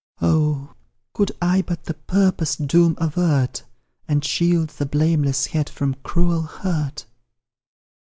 Oh! could I but the purposed doom avert, And shield the blameless head from cruel hurt!